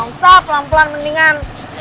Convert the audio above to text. nggak usah pelan pelan mendingan